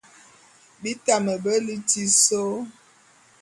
Bi tame be liti sô.